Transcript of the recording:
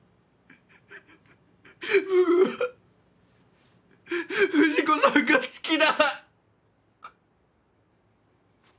僕は藤子さんが好きだ！